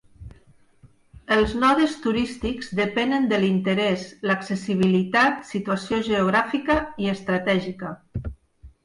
Els nodes turístics depenen de l'interès, l'accessibilitat, situació geogràfica i estratègica.